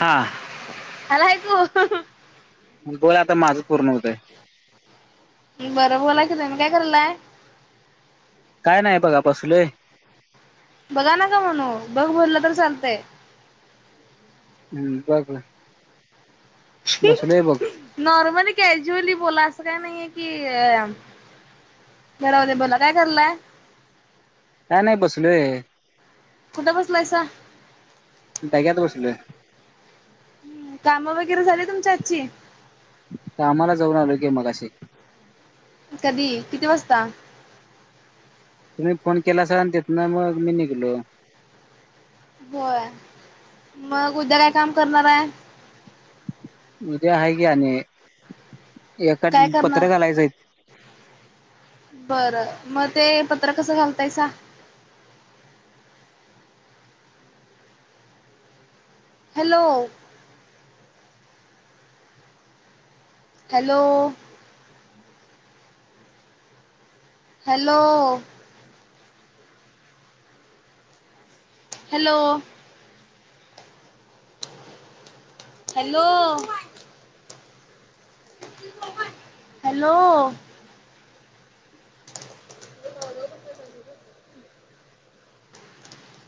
हा आला ऐकू बोला आता माझं पूर्ण होतय. [inaudible] बर बोला की तुम्ही काय करायलाय? काय नाही बघा बसलोय. बघा नका म्हणू, बघ बोललं तर चालतंय. हम्म बघ, बसलोय बघ. नॉर्मली कॅज्युअली बोला असं काय नाहीये की बर रावदे बोला काय करलाय? काय नाही बसलोय. कुठं बसलायसा? डक्यात बसलोय. हम्म, कामं वगैरे झाली तुमची आजची. कामाला जाऊन आलो की मगाशी. कधी किती वाजता? तुम्ही फोन केलासा आणि तितनं मग निघलो. होय,, मग उद्या काय काम करणार आहे? उद्या आहे की आमी, एकात काय करणार पत्रं घालायचंयत. बरं, मग ते पत्र कसं घालतायसा? Hello. Hello. Hello. Hello. Hello hello. ते ह [unintelligible]